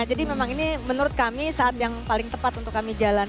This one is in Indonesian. jadi memang ini menurut kami saat yang paling tepat untuk kami jalan